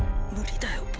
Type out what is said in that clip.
無理だよ